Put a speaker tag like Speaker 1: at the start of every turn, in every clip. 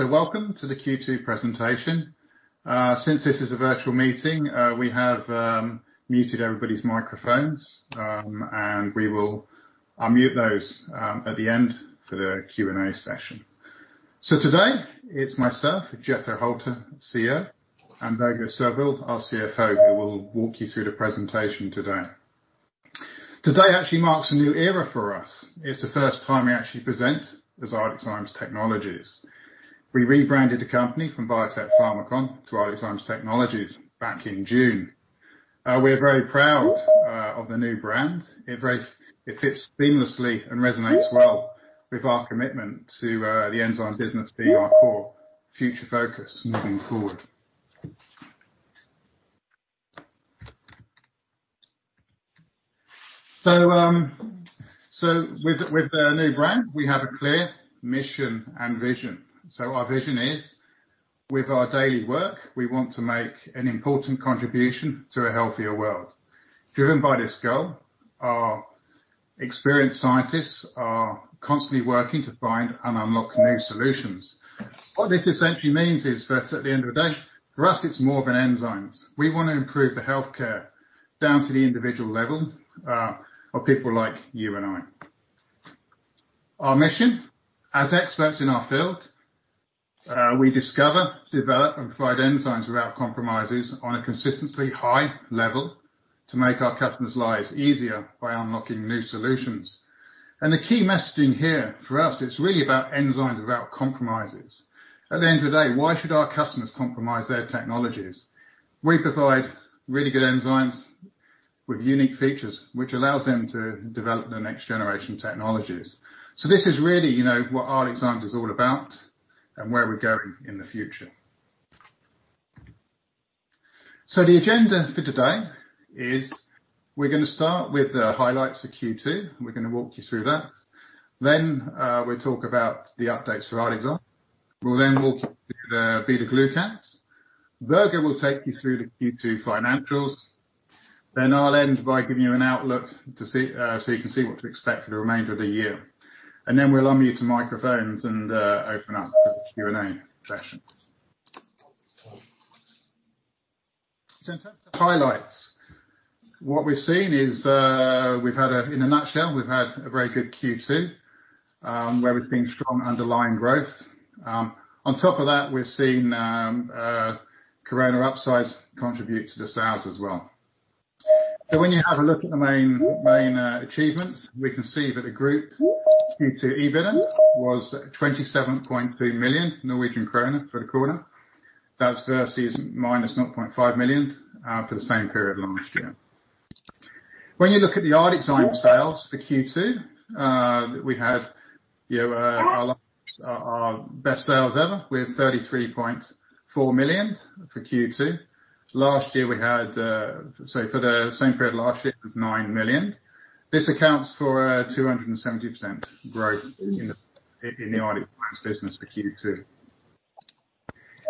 Speaker 1: Welcome to the Q2 presentation. Since this is a virtual meeting, we have muted everybody's microphones, and we will unmute those at the end for the Q&A session. Today, it's myself, Jethro Holter, CEO, and Børge Sørvoll, our CFO, who will walk you through the presentation today. Today actually marks a new era for us. It's the first time we actually present as ArcticZymes Technologies. We rebranded the company from Biotec Pharmacon to ArcticZymes Technologies back in June. We're very proud of the new brand. It fits seamlessly and resonates well with our commitment to the enzymes business being our core future focus moving forward. With the new brand, we have a clear mission and vision. Our vision is, with our daily work, we want to make an important contribution to a healthier world. Driven by this goal, our experienced scientists are constantly working to find and unlock new solutions. What this essentially means is that at the end of the day, for us, it's more than enzymes. We want to improve the healthcare down to the individual level, of people like you and I. Our mission, as experts in our field, we discover, develop, and provide enzymes without compromises on a consistently high level to make our customers' lives easier by unlocking new solutions. The key messaging here for us, it's really about enzymes without compromises. At the end of the day, why should our customers compromise their technologies? We provide really good enzymes with unique features, which allows them to develop the next generation technologies. This is really what ArcticZymes is all about and where we're going in the future. The agenda for today is we're going to start with the highlights for Q2, and we're going to walk you through that. We'll talk about the updates for ArcticZymes. We'll walk you through the beta-glucans. Børge will take you through the Q2 financials. I'll end by giving you an outlook so you can see what to expect for the remainder of the year. We'll unmute your microphones and open up the Q&A session. In terms of highlights, what we've seen is, in a nutshell, we've had a very good Q2, where we've seen strong underlying growth. On top of that, we're seeing corona upsides contribute to the sales as well. When you have a look at the main achievements, we can see that the group Q2 EBITDA was 27.3 million Norwegian kroner for the quarter. That's versus -0.5 million for the same period last year. When you look at the ArcticZymes sales for Q2, we had our best sales ever. We had 33.4 million for Q2. For the same period last year, it was 9 million. This accounts for 270% growth in the ArcticZymes business for Q2.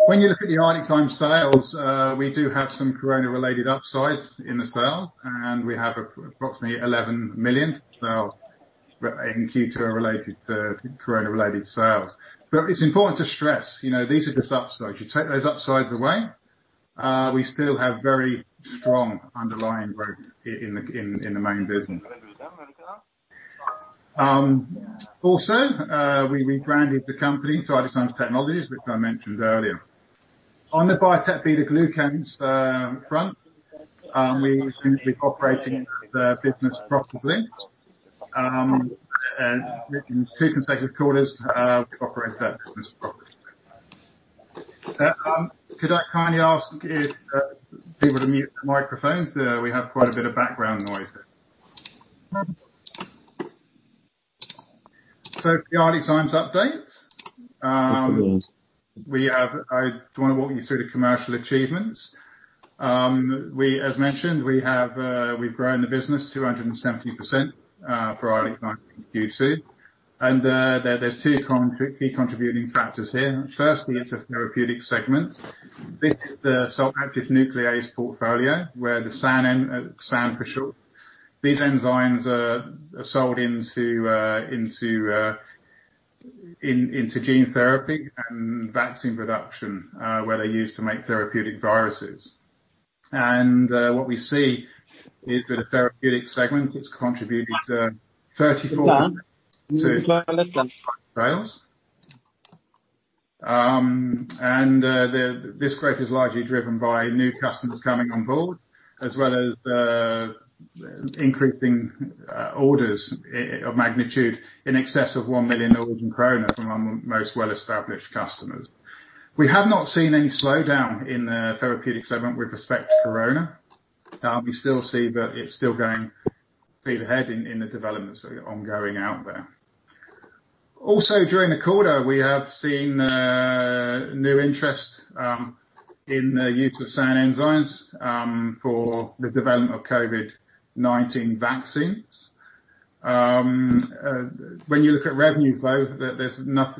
Speaker 1: When you look at the ArcticZymes sales, we do have some corona-related upsides in the sale, and we have approximately 11 million in Q2 are related to corona-related sales. It's important to stress, these are just upsides. You take those upsides away, we still have very strong underlying growth in the main business. Also, we rebranded the company to ArcticZymes Technologies, which I mentioned earlier. On the Biotec BetaGlucans front, we've been operating the business profitably. Two consecutive quarters, we've operated that business profitably. Could I kindly ask people to mute their microphones? We have quite a bit of background noise there. For the ArcticZymes updates, I want to walk you through the commercial achievements. As mentioned, we've grown the business 270% for ArcticZymes in Q2. There's two key contributing factors here. Firstly, it's the Therapeutics segment. This is the Salt Active Nuclease portfolio, where the SAN, for short. These enzymes are sold into gene therapy and vaccine production, where they're used to make therapeutic viruses. What we see is that the Therapeutics segment has contributed 34% to sales. This growth is largely driven by new customers coming on board, as well as the increasing orders of magnitude in excess of 1 million Norwegian kroner from our most well-established customers. We have not seen any slowdown in the Therapeutics segment with respect to corona. We still see that it's still going ahead in the developments ongoing out there. During the quarter, we have seen new interest in the use of SAN enzymes for the development of COVID-19 vaccines. When you look at revenues, though,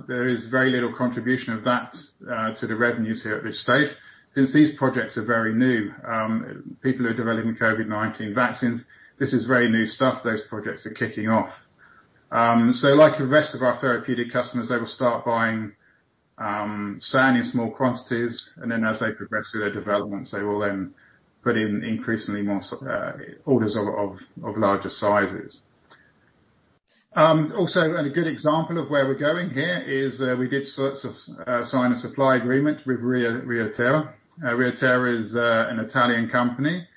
Speaker 1: there is very little contribution of that to the revenues here at this stage, since these projects are very new. People who are developing COVID-19 vaccines, this is very new stuff. Those projects are kicking off. Like the rest of our therapeutic customers, they will start buying SAN in small quantities, and then as they progress through their developments, they will then put in increasingly more orders of larger sizes. A good example of where we're going here is we did sign a supply agreement with ReiThera. ReiThera is an Italian company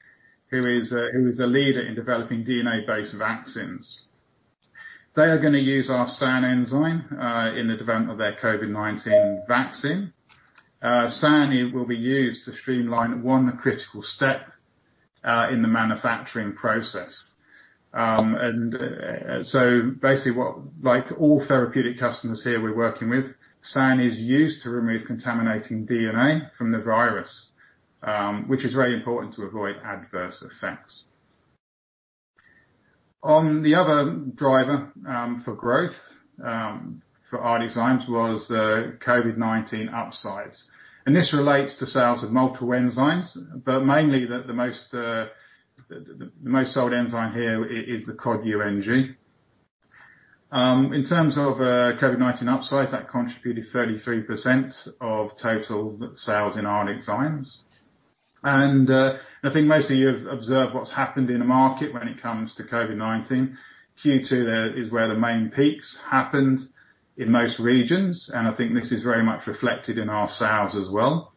Speaker 1: who is a leader in developing DNA-based vaccines. They are going to use our SAN enzyme in the development of their COVID-19 vaccine. SAN will be used to streamline one critical step in the manufacturing process. Basically, like all therapeutic customers here we're working with, SAN is used to remove contaminating DNA from the virus, which is very important to avoid adverse effects. On the other driver for growth for ArcticZymes was COVID-19 upsides, this relates to sales of multiple enzymes, but mainly the most sold enzyme here is the Cod UNG. In terms of COVID-19 upside, that contributed 33% of total sales in ArcticZymes. I think mostly you've observed what's happened in the market when it comes to COVID-19. Q2 is where the main peaks happened in most regions, I think this is very much reflected in our sales as well.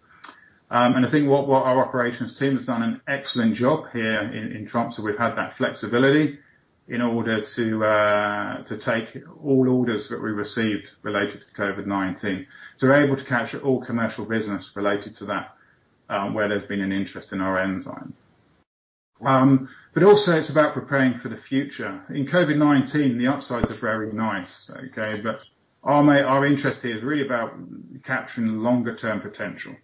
Speaker 1: I think what our operations team has done an excellent job here in Tromsø. We've had that flexibility in order to take all orders that we received related to COVID-19. We're able to capture all commercial business related to that, where there's been an interest in our enzyme. Also it's about preparing for the future. In COVID-19, the upsides are very nice. Okay? Our interest here is really about capturing longer-term potential.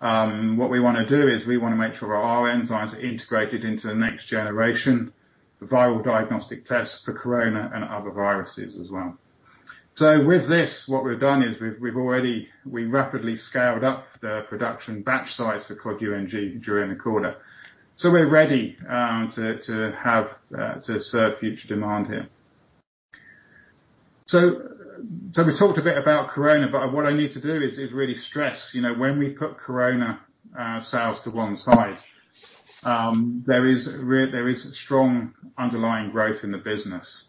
Speaker 1: What we want to do is we want to make sure our enzymes are integrated into the next generation, the viral diagnostic tests for Corona and other viruses as well. With this, what we've done is we've already rapidly scaled up the production batch size for Cod UNG during the quarter. We're ready to serve future demand here. We talked a bit about Corona, but what I need to do is really stress, when we put Corona sales to one side, there is strong underlying growth in the business.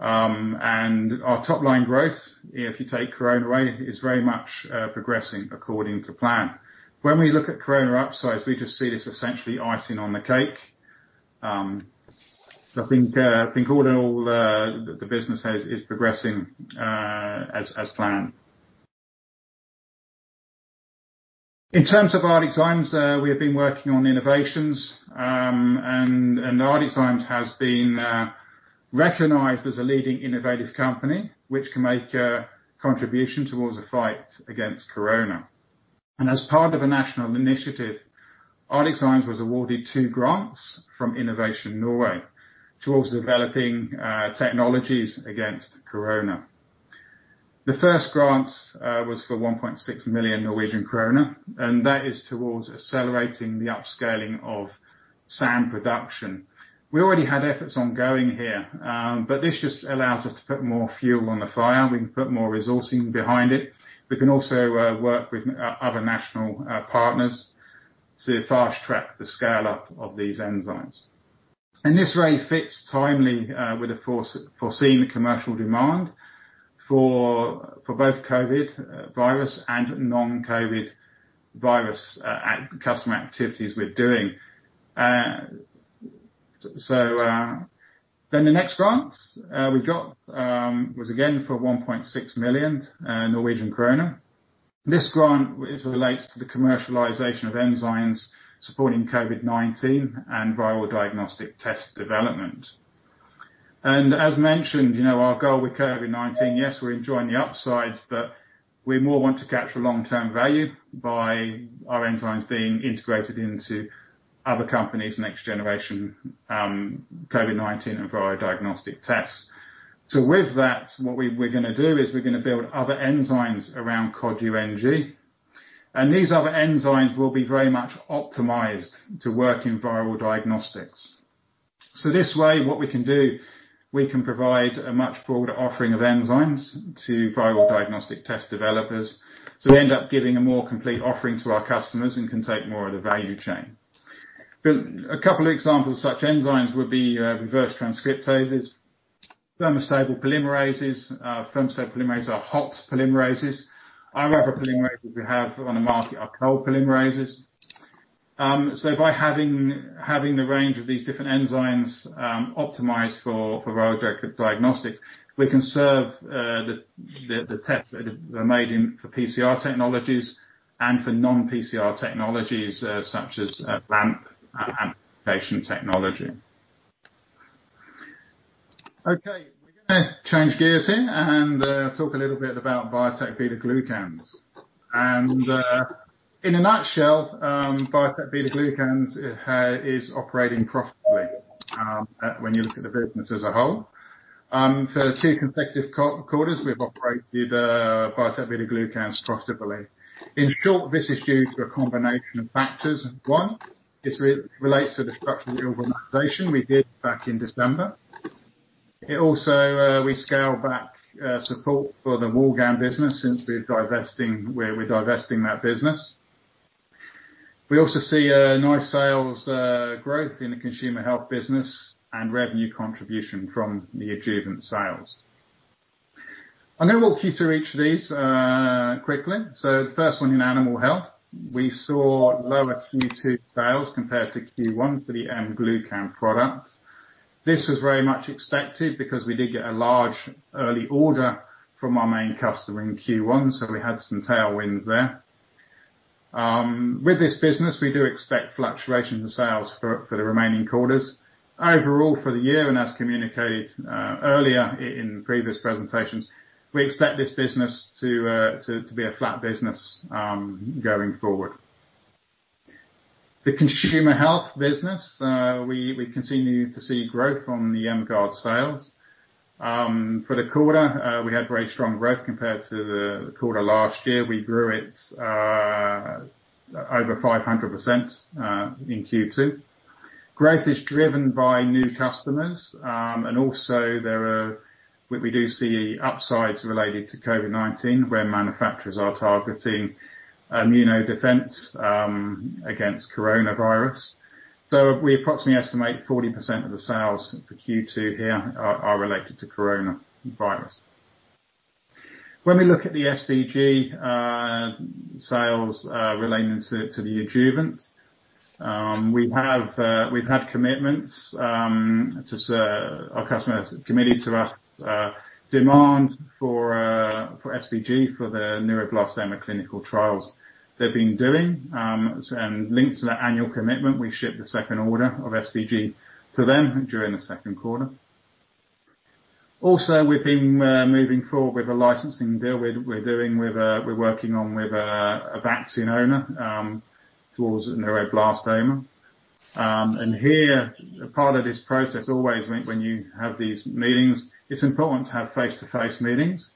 Speaker 1: Our top-line growth, if you take Corona away, is very much progressing according to plan. When we look at Corona upsides, we just see it as essentially icing on the cake. I think all in all, the business is progressing as planned. In terms of ArcticZymes, we have been working on innovations, and ArcticZymes has been recognized as a leading innovative company which can make a contribution towards the fight against Corona. As part of a national initiative, ArcticZymes was awarded two grants from Innovation Norway towards developing technologies against Corona. The first grant was for 1.6 million Norwegian krone, and that is towards accelerating the upscaling of SAN production. We already had efforts ongoing here, but this just allows us to put more fuel on the fire. We can put more resourcing behind it. We can also work with other national partners to fast-track the scale-up of these enzymes. This really fits timely with the foreseen commercial demand for both COVID virus and non-COVID virus customer activities we're doing. The next grant we got was again for 1.6 million Norwegian krone. This grant relates to the commercialization of enzymes supporting COVID-19 and viral diagnostic test development. As mentioned, our goal with COVID-19, yes, we're enjoying the upsides, but we more want to capture long-term value by our enzymes being integrated into other companies' next-generation COVID-19 and viral diagnostic tests. With that, what we're going to do is we're going to build other enzymes around Cod UNG, and these other enzymes will be very much optimized to work in viral diagnostics. This way, what we can do, we can provide a much broader offering of enzymes to viral diagnostic test developers. We end up giving a more complete offering to our customers and can take more of the value chain. A couple of examples of such enzymes would be reverse transcriptases, thermostable polymerases. Thermostable polymerases are hot polymerases. Other polymerases we have on the market are cold polymerases. By having the range of these different enzymes optimized for viral diagnostics, we can serve the tests that are made for PCR technologies and for non-PCR technologies such as LAMP amplification technology. Okay. Change gears here and talk a little bit about Biotec BetaGlucans. In a nutshell, Biotec BetaGlucans is operating profitably when you look at the business as a whole. For two consecutive quarters, we've operated Biotec BetaGlucans profitably. In short, this is due to a combination of factors. One, this relates to the structural reorganization we did back in December. Also, we scaled back support for the Woulgan business since we're divesting that business. We also see a nice sales growth in the consumer health business and revenue contribution from the adjuvant sales. I'm going to walk you through each of these quickly. The first one in animal health. We saw lower Q2 sales compared to Q1 for the M-Glucan products. This was very much expected because we did get a large early order from our main customer in Q1, so we had some tailwinds there. With this business, we do expect fluctuations in sales for the remaining quarters. Overall for the year, and as communicated earlier in previous presentations, we expect this business to be a flat business going forward. The consumer health business, we continue to see growth from the M-Gard sales. For the quarter, we had very strong growth compared to the quarter last year. We grew it over 500% in Q2. Growth is driven by new customers. Also, we do see upsides related to COVID-19 where manufacturers are targeting immunodefense against coronavirus. We approximately estimate 40% of the sales for Q2 here are related to coronavirus. When we look at the SBG sales relating to the adjuvant, we've had commitments to our customers, committed to us demand for SBG for the neuroblastoma clinical trials they've been doing, and linked to that annual commitment, we shipped the second order of SBG to them during the second quarter. We've been moving forward with a licensing deal we're working on with a vaccine owner towards neuroblastoma. Here, part of this process always when you have these meetings, it's important to have face-to-face meetings.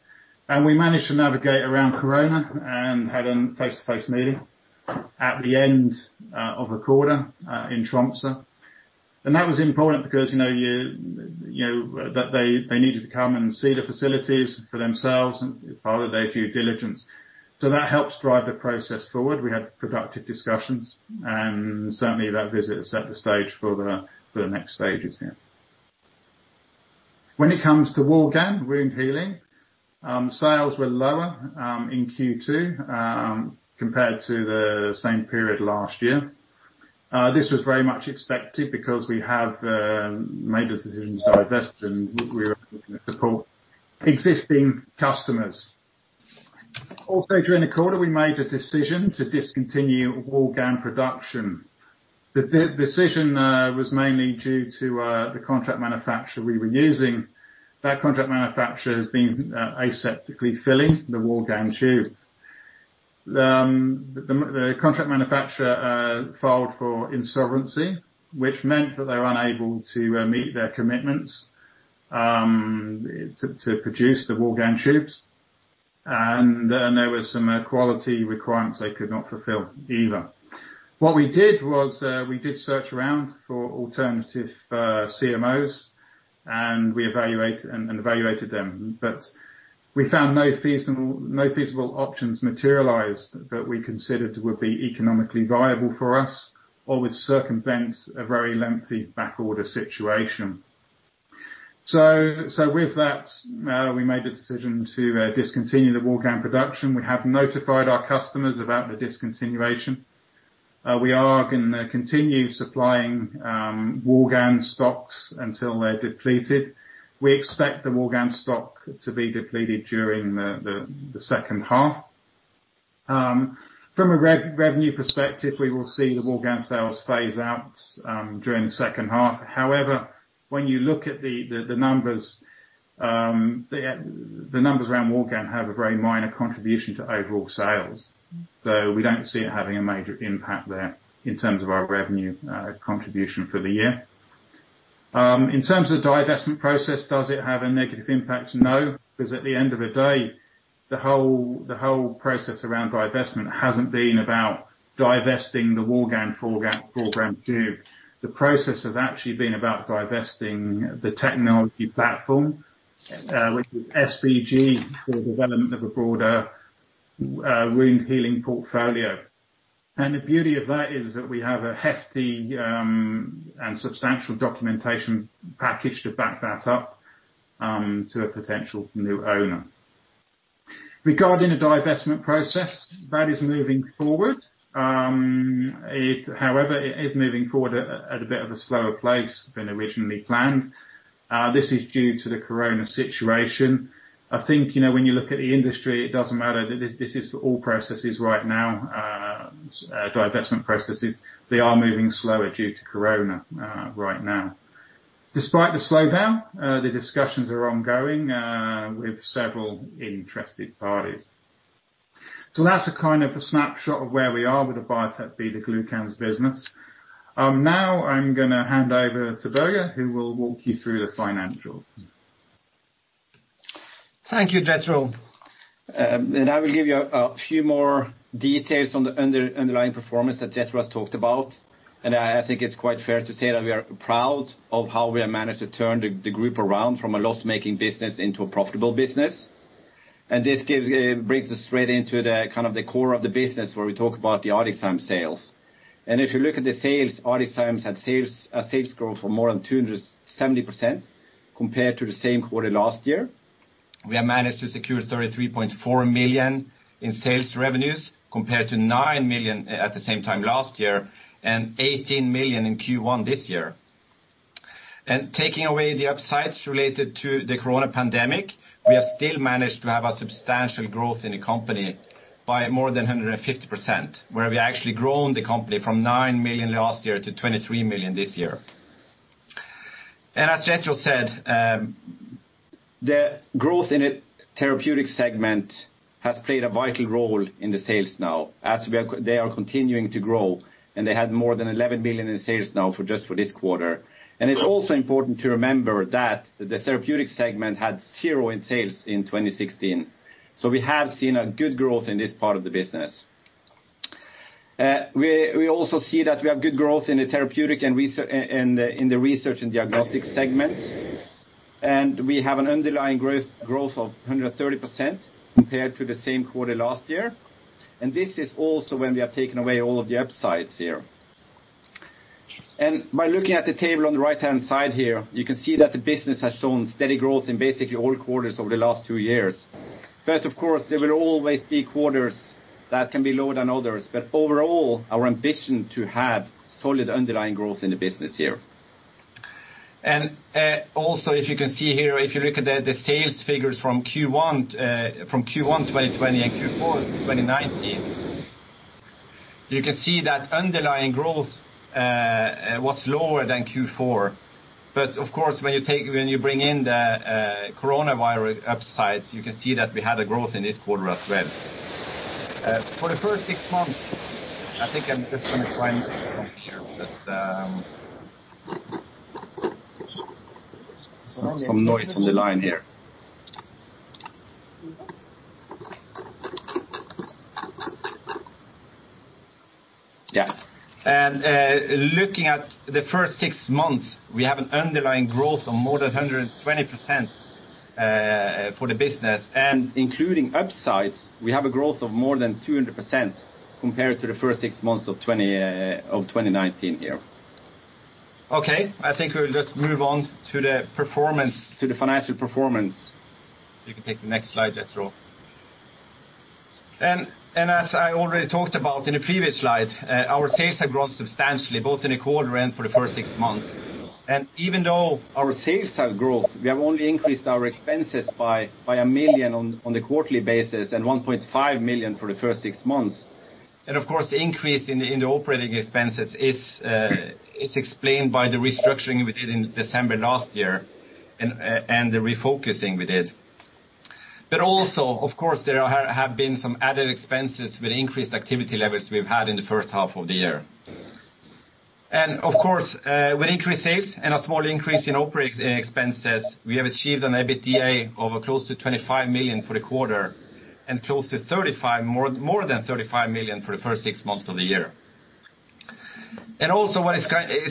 Speaker 1: We managed to navigate around corona and had a face-to-face meeting at the end of the quarter in Tromsø. That was important because they needed to come and see the facilities for themselves and part of their due diligence. That helps drive the process forward. We had productive discussions, and certainly that visit set the stage for the next stages here. When it comes to Woulgan wound healing, sales were lower in Q2 compared to the same period last year. This was very much expected because we have made the decision to divest, and we're looking to support existing customers. Also, during the quarter, we made the decision to discontinue Woulgan production. The decision was mainly due to the contract manufacturer we were using. That contract manufacturer has been aseptically filling the Woulgan tubes. The contract manufacturer filed for insolvency, which meant that they were unable to meet their commitments to produce the Woulgan tubes. There were some quality requirements they could not fulfill either. What we did was we did search around for alternative CMOs, and we evaluated them. We found no feasible options materialized that we considered would be economically viable for us or would circumvent a very lengthy backorder situation. With that, we made the decision to discontinue the Woulgan production. We have notified our customers about the discontinuation. We are going to continue supplying Woulgan stocks until they're depleted. We expect the Woulgan stock to be depleted during the second half. From a revenue perspective, we will see the Woulgan sales phase out during the second half. When you look at the numbers, the numbers around Woulgan have a very minor contribution to overall sales. We don't see it having a major impact there in terms of our revenue contribution for the year. In terms of the divestment process, does it have a negative impact? No, because at the end of the day, the whole process around divestment hasn't been about divesting the Woulgan program tube. The process has actually been about divesting the technology platform, which is SBG for development of a broader wound healing portfolio. The beauty of that is that we have a hefty and substantial documentation package to back that up to a potential new owner. Regarding the divestment process, that is moving forward. However, it is moving forward at a bit of a slower pace than originally planned. This is due to the corona situation. I think when you look at the industry, it doesn't matter. This is for all processes right now, divestment processes. They are moving slower due to corona right now. Despite the slowdown, the discussions are ongoing with several interested parties. That's a snapshot of where we are with the Biotec BetaGlucans business. Now I'm going to hand over to Børge, who will walk you through the financials
Speaker 2: Thank you, Jethro. I will give you a few more details on the underlying performance that Jethro has talked about. I think it's quite fair to say that we are proud of how we have managed to turn the group around from a loss-making business into a profitable business. This brings us straight into the core of the business where we talk about the ArcticZymes sales. If you look at the sales, ArcticZymes had sales growth for more than 270% compared to the same quarter last year. We have managed to secure 33.4 million in sales revenues, compared to 9 million at the same time last year, and 18 million in Q1 this year. Taking away the upsides related to the corona pandemic, we have still managed to have a substantial growth in the company by more than 150%, where we have actually grown the company from 9 million last year to 23 million this year. As Jethro said, the growth in the Therapeutics segment has played a vital role in the sales now, as they are continuing to grow, and they had more than 11 million in sales now just for this quarter. It's also important to remember that the Therapeutics segment had zero in sales in 2016. We have seen a good growth in this part of the business. We also see that we have good growth in the Therapeutics and in the Research and Diagnostics segments. We have an underlying growth of 130% compared to the same quarter last year. This is also when we have taken away all of the upsides here. By looking at the table on the right-hand side here, you can see that the business has shown steady growth in basically all quarters over the last two years. Of course, there will always be quarters that can be lower than others. Overall, our ambition to have solid underlying growth in the business here. Also, if you can see here, if you look at the sales figures from Q1 2020 and Q4 2019, you can see that underlying growth was lower than Q4. Of course, when you bring in the coronavirus upsides, you can see that we had a growth in this quarter as well. For the first six months, I think I'm just going to try and stop here because some noise on the line here. Yeah. Looking at the first six months, we have an underlying growth of more than 120% for the business. Including upsides, we have a growth of more than 200% compared to the first six months of 2019 here. Okay, I think we'll just move on to the financial performance. You can take the next slide, Jethro. As I already talked about in the previous slide, our sales have grown substantially, both in the quarter and for the first six months. Even though our sales have growth, we have only increased our expenses by 1 million on the quarterly basis and 1.5 million for the first six months. Of course, the increase in the operating expenses is explained by the restructuring we did in December last year and the refocusing we did. Also, of course, there have been some added expenses with increased activity levels we've had in the first half of the year. Of course, with increased sales and a small increase in operating expenses, we have achieved an EBITDA of close to 25 million for the quarter and more than 35 million for the first six months of the year. Also what is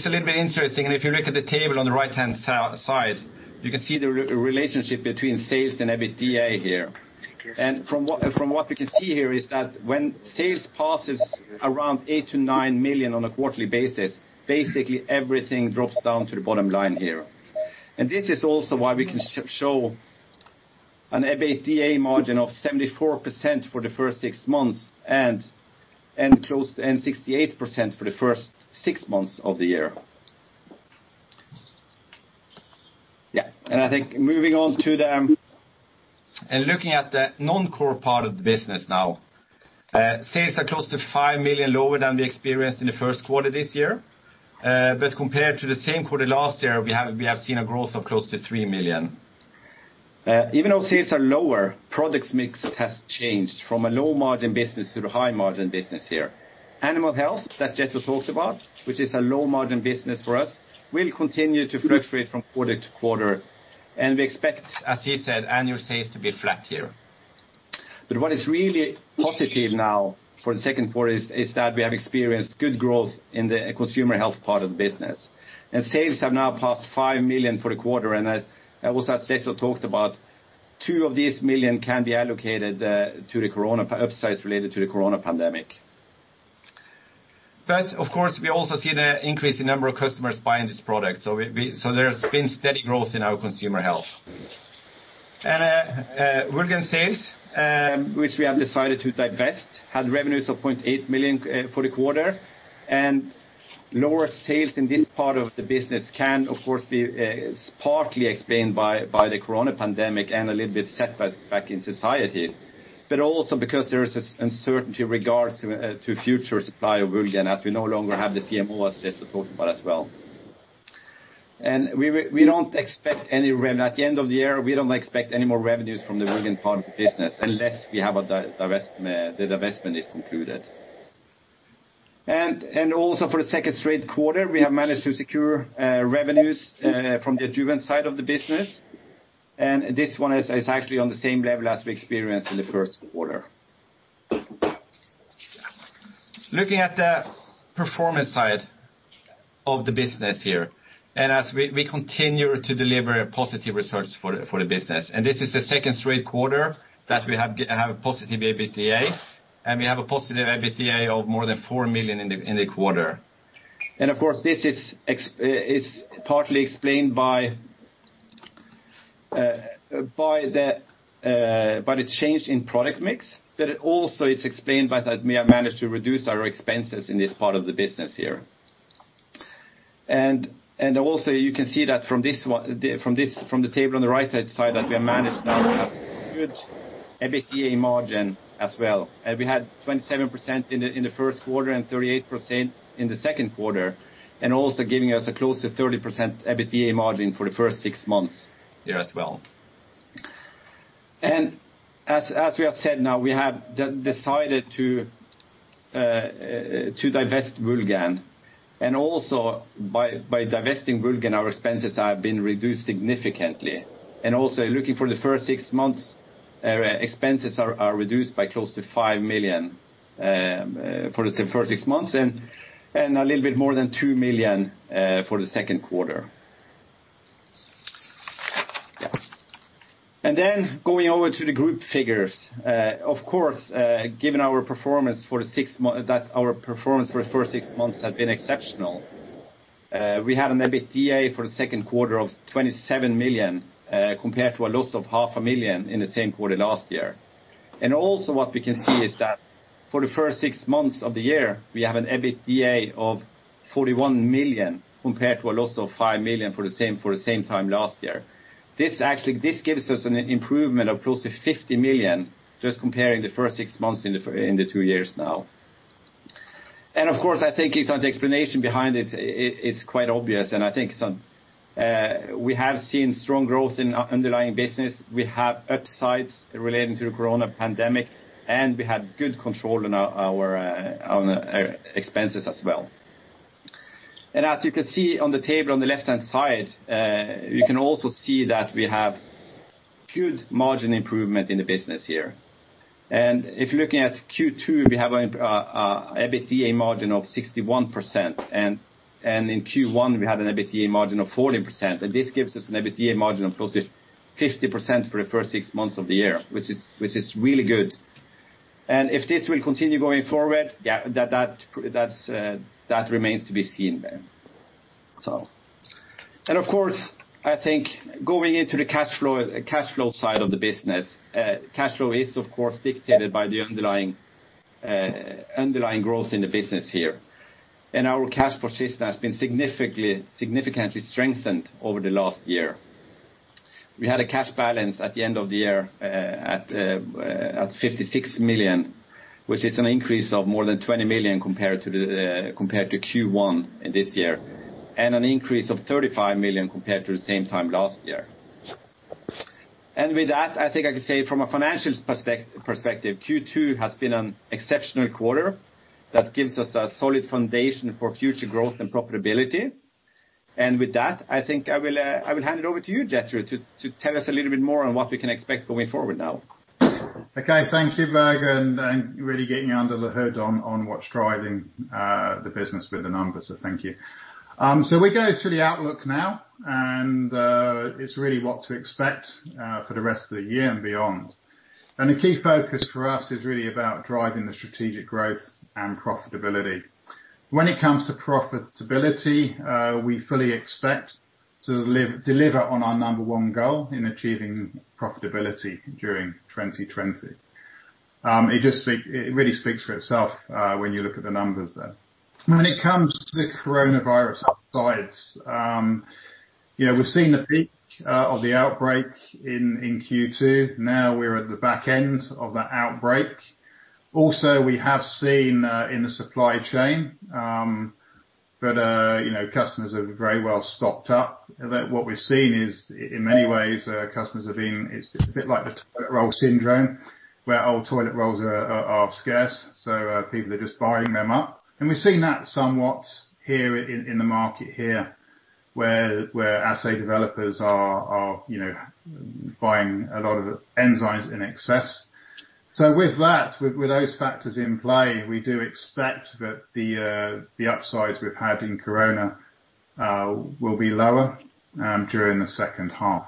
Speaker 2: a little bit interesting, if you look at the table on the right-hand side, you can see the relationship between sales and EBITDA here. From what we can see here is that when sales passes around 8 million-9 million on a quarterly basis, basically everything drops down to the bottom line here. This is also why we can show an EBITDA margin of 74% for the first six months and 68% for the first six months of the year. I think moving on to the looking at the non-core part of the business now. Sales are close to 5 million lower than we experienced in the first quarter this year. Compared to the same quarter last year, we have seen a growth of close to 3 million. Even though sales are lower, products mix has changed from a low-margin business to the high-margin business here. Animal health, that Jethro talked about, which is a low-margin business for us, will continue to fluctuate from quarter-to-quarter. We expect, as he said, annual sales to be flat here. What is really positive now for the second quarter is that we have experienced good growth in the consumer health part of the business. Sales have now passed 5 million for the quarter. Also, as Jethro talked about, 2 million can be allocated to the upsides related to the corona pandemic. Of course, we also see the increase in number of customers buying this product. There's been steady growth in our consumer health. Woulgan sales, which we have decided to divest, had revenues of 0.8 million for the quarter. Lower sales in this part of the business can, of course, be partly explained by the corona pandemic and a little bit set back in societies. Also because there is this uncertainty regards to future supply of Woulgan, as we no longer have the CMO, as Jethro talked about as well. At the end of the year, we don't expect any more revenues from the Woulgan part of the business unless the divestment is concluded. Also for the second straight quarter, we have managed to secure revenues from the adjuvant side of the business. This one is actually on the same level as we experienced in the first quarter. Looking at the performance side of the business here, as we continue to deliver positive results for the business, this is the second straight quarter that we have a positive EBITDA, we have a positive EBITDA of more than 4 million in the quarter. Of course, this is partly explained by the change in product mix, it also is explained by that we have managed to reduce our expenses in this part of the business here. You can also see that from the table on the right side, that we have managed now to have good EBITDA margin as well. We had 27% in the first quarter and 38% in the second quarter, giving us a close to 30% EBITDA margin for the first six months here as well. As we have said now, we have decided to divest Woulgan. By divesting Woulgan, our expenses have been reduced significantly. Looking for the first six months, expenses are reduced by close to 5 million for the first six months and a little bit more than 2 million for the second quarter. Going over to the group figures. Of course, given that our performance for the first six months had been exceptional. We had an EBITDA for the second quarter of 27 million, compared to a loss of NOK half a million in the same quarter last year. Also what we can see is that for the first six months of the year, we have an EBITDA of 41 million compared to a loss of 5 million for the same time last year. This gives us an improvement of close to 50 million just comparing the first six months in the two years now. Of course, I think the explanation behind it is quite obvious, and I think we have seen strong growth in our underlying business. We have upsides relating to the corona pandemic, and we had good control on our own expenses as well. As you can see on the table on the left-hand side, you can also see that we have good margin improvement in the business here. If you're looking at Q2, we have an EBITDA margin of 61%, in Q1, we had an EBITDA margin of 40%, and this gives us an EBITDA margin of close to 50% for the first six months of the year, which is really good. If this will continue going forward, that remains to be seen. Of course, I think going into the cash flow side of the business. Cash flow is, of course, dictated by the underlying growth in the business here. Our cash position has been significantly strengthened over the last year. We had a cash balance at the end of the year at 56 million, which is an increase of more than 20 million compared to Q1 this year, an increase of 35 million compared to the same time last year. With that, I think I can say from a financial perspective, Q2 has been an exceptional quarter that gives us a solid foundation for future growth and profitability. With that, I think I will hand it over to you, Jethro, to tell us a little bit more on what we can expect going forward now.
Speaker 1: Okay. Thank you, Børge, really getting under the hood on what's driving the business with the numbers. Thank you. We go to the outlook now, it's really what to expect for the rest of the year and beyond. The key focus for us is really about driving the strategic growth and profitability. When it comes to profitability, we fully expect to deliver on our number one goal in achieving profitability during 2020. It really speaks for itself when you look at the numbers there. When it comes to the Coronavirus upsides, we've seen the peak of the outbreak in Q2. Now we're at the back end of that outbreak. Also, we have seen in the supply chain that customers are very well stocked up. That what we're seeing is in many ways, customers have been-- it's a bit like the toilet roll syndrome, where all toilet rolls are scarce, so people are just buying them up. We're seeing that somewhat here in the market here where assay developers are buying a lot of enzymes in excess. With that, with those factors in play, we do expect that the upsides we've had in Corona will be lower during the second half.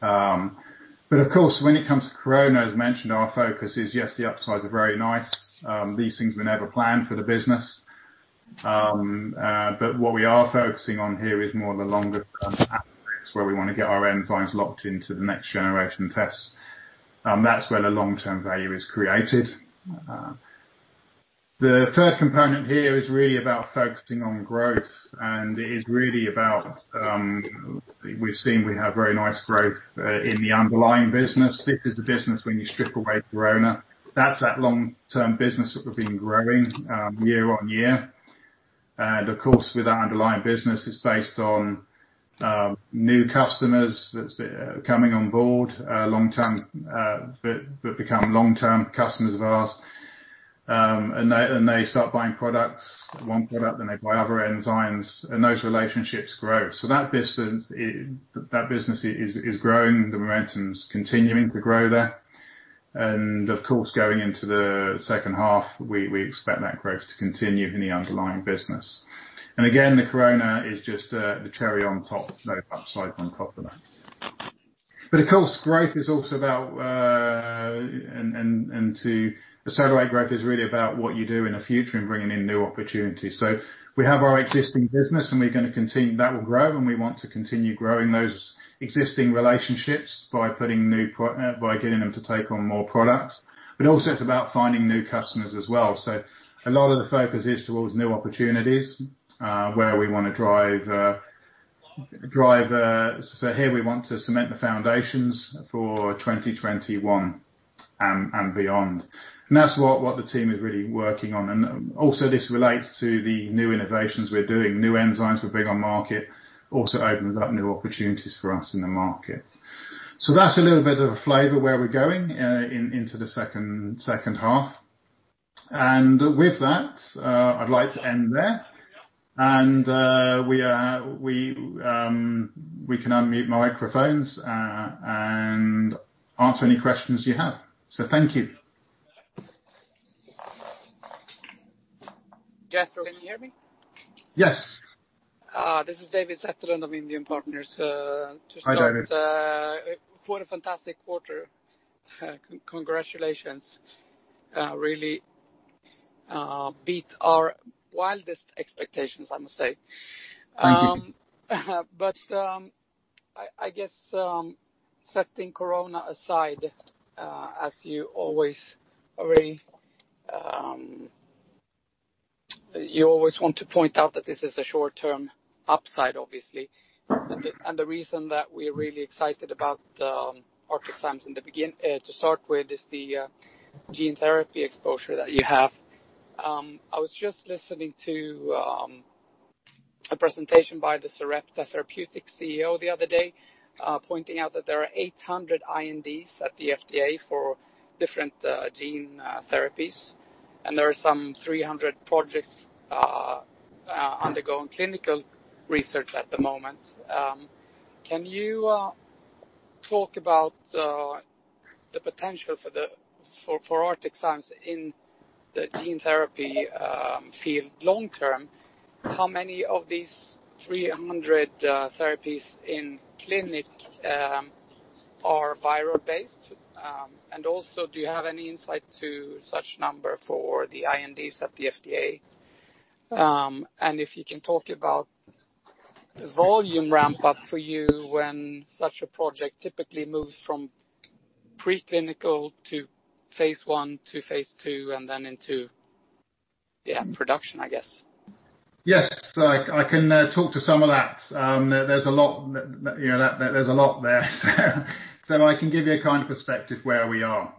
Speaker 1: Of course, when it comes to Corona, as mentioned, our focus is, yes, the upsides are very nice. These things were never planned for the business. What we are focusing on here is more the longer term where we want to get our enzymes locked into the next generation tests. That's where the long-term value is created. The third component here is really about focusing on growth. We've seen we have very nice growth in the underlying business. This is the business when you strip away Corona. That's that long-term business that we've been growing year on year. Of course, with our underlying business, it's based on new customers that's been coming on board that become long-term customers of ours. They start buying products, one product, then they buy other enzymes, and those relationships grow. That business is growing. The momentum's continuing to grow there. Of course, going into the second half, we expect that growth to continue in the underlying business. Again, the Corona is just the cherry on top. No upside on top of that. Of course, growth is also about, and to a certain way, growth is really about what you do in the future and bringing in new opportunities. We have our existing business, and we're going to continue. That will grow, and we want to continue growing those existing relationships by getting them to take on more products. Also, it's about finding new customers as well. A lot of the focus is towards new opportunities, where we want to drive. Here we want to cement the foundations for 2021 and beyond. That's what the team is really working on. Also, this relates to the new innovations we're doing. New enzymes we're bringing on market also opens up new opportunities for us in the market. That's a little bit of a flavor where we're going into the second half. With that, I'd like to end there. We can unmute microphones, and answer any questions you have. Thank you.
Speaker 3: Jethro, can you hear me?
Speaker 1: Yes.
Speaker 3: This is [David Zetterlund] of [Indian Partners.
Speaker 1: Hi, David.
Speaker 3: Just what a fantastic quarter. Congratulations. Really beat our wildest expectations, I must say.
Speaker 1: Thank you.
Speaker 3: I guess, setting corona aside, as you always want to point out that this is a short-term upside, obviously. The reason that we're really excited about ArcticZymes to start with is the gene therapy exposure that you have. I was just listening to a presentation by the Sarepta Therapeutics CEO the other day, pointing out that there are 800 INDs at the FDA for different gene therapies. There are some 300 projects undergoing clinical research at the moment. Can you talk about the potential for ArcticZymes in the gene therapy field long term? How many of these 300 therapies in clinic are viral-based? Also, do you have any insight to such number for the INDs at the FDA? If you can talk about the volume ramp-up for you when such a project typically moves from pre-clinical to phase I, to phase II, and then into, yeah, production, I guess.
Speaker 1: Yes. I can talk to some of that. There's a lot there. I can give you a kind of perspective where we are.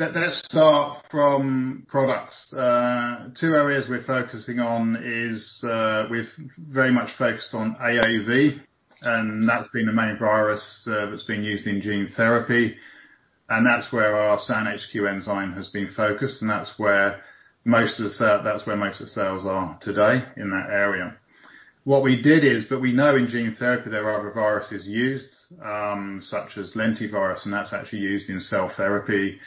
Speaker 1: Let's start from products. Two areas we're focusing on is we're very much focused on AAV, and that's been the main virus that's been used in gene therapy, and that's where our SAN HQ enzyme has been focused, and that's where most of the cells are today in that area. What we did is, but we know in gene therapy there are other viruses used, such as lentivirus, and that's actually used in cell therapy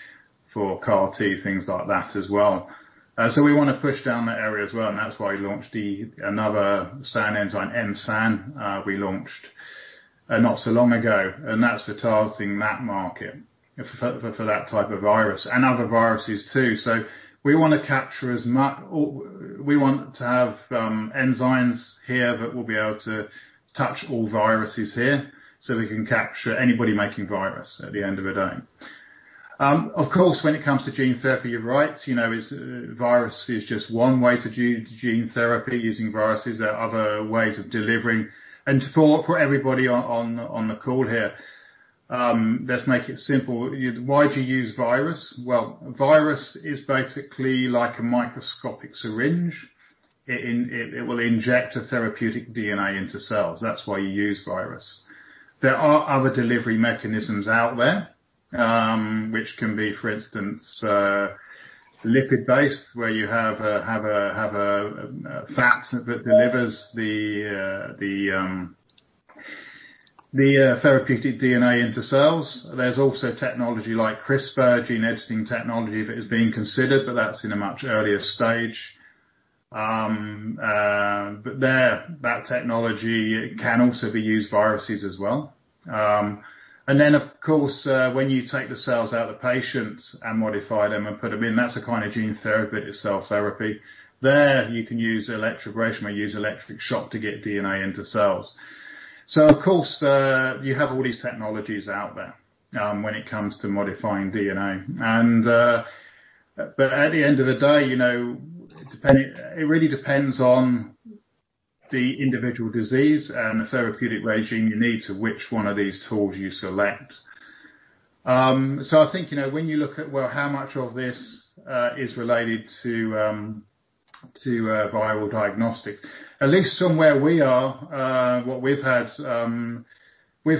Speaker 1: for CAR T, things like that as well. We want to push down that area as well, and that's why we launched another SAN enzyme, M-SAN. We launched not so long ago. That's for targeting that market for that type of virus and other viruses too. We want to have enzymes here that will be able to touch all viruses here, so we can capture anybody making virus at the end of the day. Of course, when it comes to gene therapy, you're right. Virus is just one way to do gene therapy using viruses. There are other ways of delivering. For everybody on the call here, let's make it simple. Why do you use virus? Well, virus is basically like a microscopic syringe. It will inject a therapeutic DNA into cells. That's why you use virus. There are other delivery mechanisms out there, which can be, for instance, lipid-based, where you have a fat that delivers the therapeutic DNA into cells. There's also technology like CRISPR, gene editing technology, that is being considered, but that's in a much earlier stage. There, that technology can also be used viruses as well. Of course, when you take the cells out of the patients and modify them and put them in, that's a kind of gene therapy itself therapy. There you can use electroporation or use electric shock to get DNA into cells. Of course, you have all these technologies out there when it comes to modifying DNA. At the end of the day, it really depends on the individual disease and the therapeutic regime you need to which one of these tools you select. I think, when you look at, well, how much of this is related to viral diagnostics. At least from where we are, what we've had, we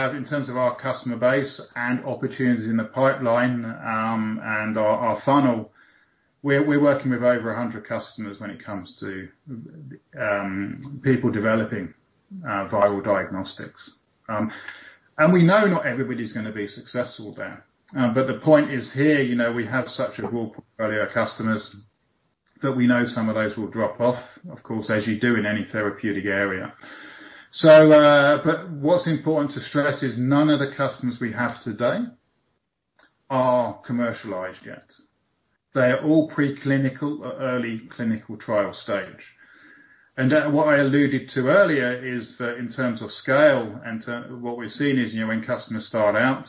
Speaker 1: have in terms of our customer base and opportunities in the pipeline, and our funnel, we're working with over 100 customers when it comes to people developing viral diagnostics. We know not everybody's gonna be successful there. The point is here, we have such a broad portfolio of customers that we know some of those will drop off, of course, as you do in any therapeutic area. What's important to stress is none of the customers we have today are commercialized yet. They are all preclinical or early clinical trial stage. What I alluded to earlier is that in terms of scale and what we've seen is, when customers start out,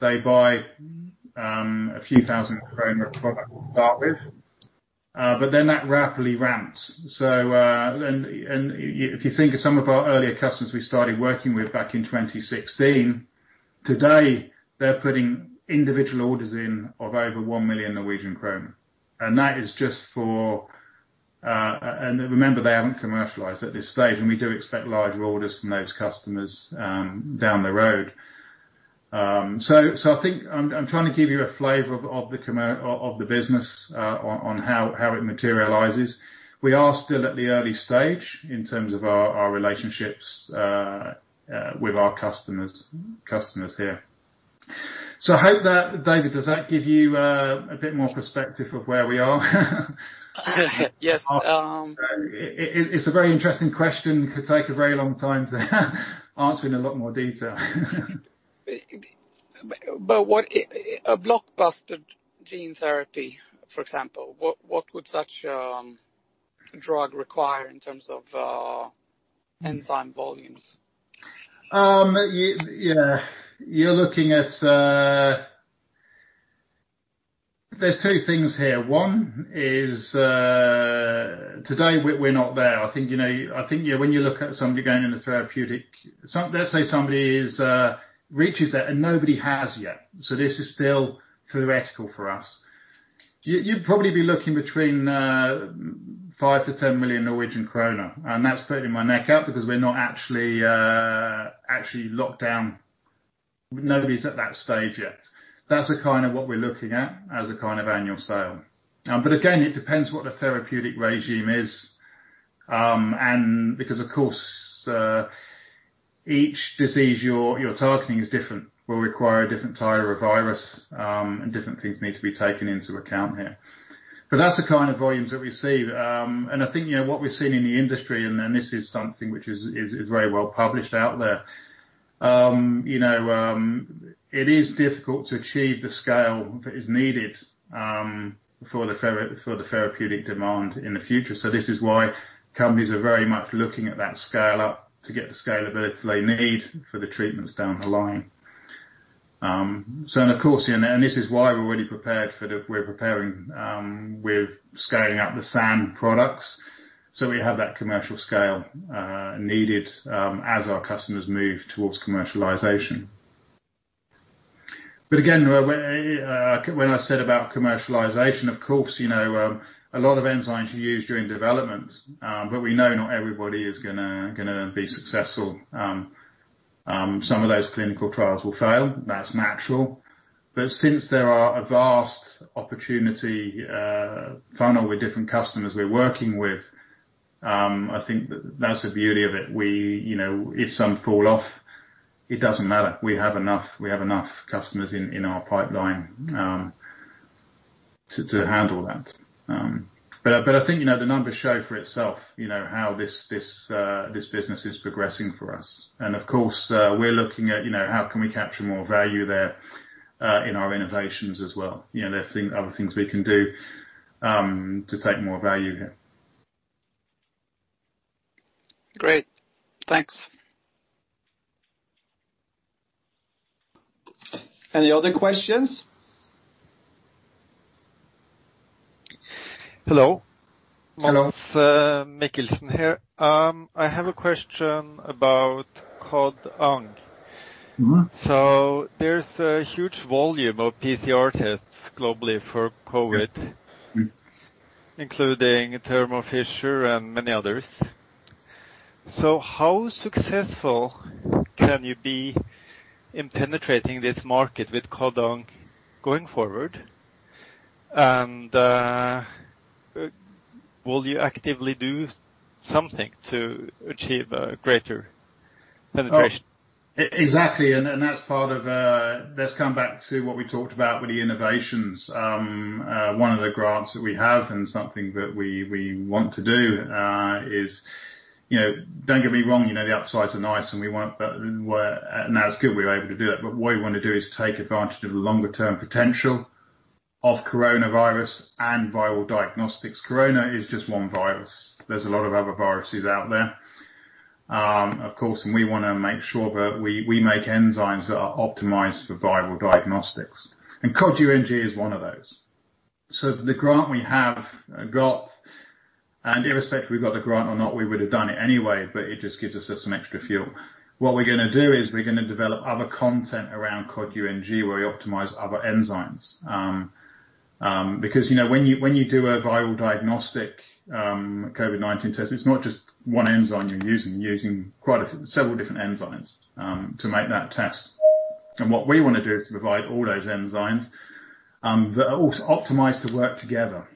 Speaker 1: they buy a few thousand krone of product to start with. Then that rapidly ramps. If you think of some of our earlier customers we started working with back in 2016, today they're putting individual orders in of over 1 million Norwegian kroner. Remember, they haven't commercialized at this stage, and we do expect larger orders from those customers down the road. I think I'm trying to give you a flavor of the business, on how it materializes. We are still at the early stage in terms of our relationships with our customers here. I hope that, David, does that give you a bit more perspective of where we are?
Speaker 3: Yes.
Speaker 1: It's a very interesting question, could take a very long time to answer in a lot more detail.
Speaker 3: A blockbuster gene therapy, for example, what would such a drug require in terms of enzyme volumes?
Speaker 1: Yeah. There's two things here. One is, today we're not there. I think when you look at somebody going in the therapeutic Let's say somebody reaches it, and nobody has yet. This is still theoretical for us. You'd probably be looking between 5 million-10 million Norwegian kroner, and that's putting my neck out because we're not actually locked down. Nobody's at that stage yet. That's kind of what we're looking at as a kind of annual sale. Again, it depends what the therapeutic regime is. Of course, each disease you're targeting is different, will require a different type of virus, and different things need to be taken into account here. That's the kind of volumes that we see. I think what we've seen in the industry, and this is something which is very well published out there. It is difficult to achieve the scale that is needed for the therapeutic demand in the future. This is why companies are very much looking at that scale-up to get the scalability they need for the treatments down the line. This is why we're preparing with scaling up the SAN products, so we have that commercial scale needed as our customers move towards commercialization. Again, when I said about commercialization, of course, a lot of enzymes are used during developments. We know not everybody is going to be successful. Some of those clinical trials will fail. That's natural. Since there are a vast opportunity funnel with different customers we're working with, I think that's the beauty of it. If some fall off, it doesn't matter. We have enough customers in our pipeline to handle that. I think, the numbers show for itself how this business is progressing for us. Of course, we're looking at how can we capture more value there in our innovations as well. There are other things we can do to take more value here.
Speaker 3: Great. Thanks.
Speaker 2: Any other questions?
Speaker 4: Hello.
Speaker 1: Hello.
Speaker 4: [Mads Mikkelsen] here. I have a question about Cod UNG. There's a huge volume of PCR tests globally for COVID, including Thermo Fisher and many others. How successful can you be in penetrating this market with Cod UNG going forward? Will you actively do something to achieve a greater penetration?
Speaker 1: Exactly. Let's come back to what we talked about with the innovations. One of the grants that we have and something that we want to do is, don't get me wrong, the upsides are nice and that's good we were able to do it. What we want to do is take advantage of the longer-term potential of coronavirus and viral diagnostics. Corona is just one virus. There's a lot of other viruses out there. Of course, we want to make sure that we make enzymes that are optimized for viral diagnostics. Cod UNG is one of those. The grant we have got, and irrespective we got the grant or not, we would've done it anyway, but it just gives us some extra fuel. What we're going to do is we're going to develop other content around Cod UNG where we optimize other enzymes. Because when you do a viral diagnostic COVID-19 test, it's not just one enzyme you're using. You're using several different enzymes to make that test. What we want to do is provide all those enzymes that are also optimized to work together,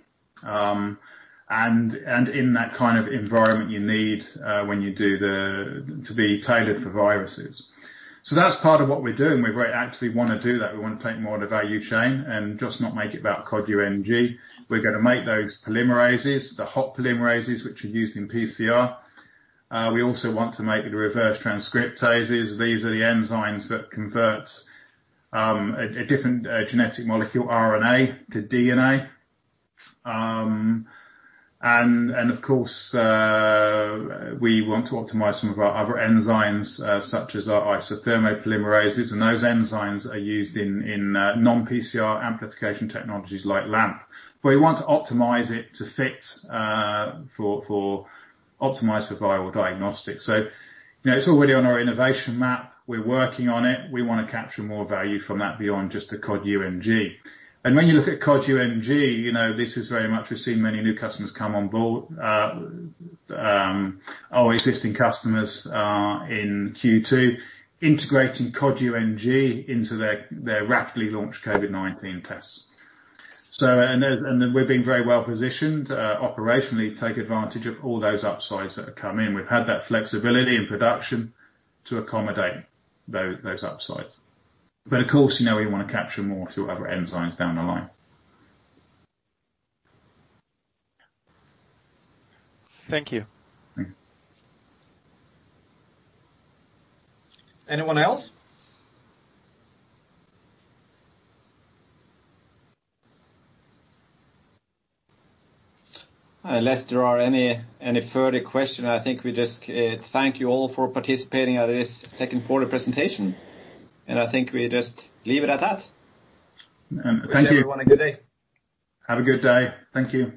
Speaker 1: and in that kind of environment you need to be tailored for viruses. That's part of what we're doing. We very actively want to do that. We want to take more of the value chain and just not make it about Cod UNG. We're going to make those polymerases, the hot polymerases, which are used in PCR. We also want to make the reverse transcriptases. These are the enzymes that convert a different genetic molecule, RNA, to DNA. Of course, we want to optimize some of our other enzymes, such as our isothermal polymerases, and those enzymes are used in non-PCR amplification technologies like LAMP, where you want to optimize it to fit for optimized viral diagnostics. It's already on our innovation map. We're working on it. We want to capture more value from that beyond just the Cod UNG. When you look at Cod UNG, we've seen many new customers come on board. Our existing customers are in Q2 integrating Cod UNG into their rapidly launched COVID-19 tests. Then we've been very well-positioned operationally to take advantage of all those upsides that are coming in. We've had that flexibility in production to accommodate those upsides. Of course, we want to capture more through other enzymes down the line.
Speaker 4: Thank you.
Speaker 2: Anyone else? Unless there are any further questions, I think we just thank you all for participating at this second quarter presentation. I think we just leave it at that.
Speaker 1: Thank you.
Speaker 2: Wish everyone a good day.
Speaker 1: Have a good day. Thank you.